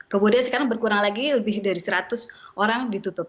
kemudian sekarang berkurang lagi lebih dari seratus orang ditutup